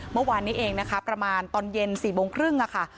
เมื่อวานนี้เองนะคะประมาณตอนเย็น๔โมงครึ่งค่ะ